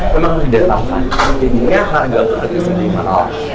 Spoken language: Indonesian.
memang harus didatangkan dan ini harga kebetulan sedikit mahal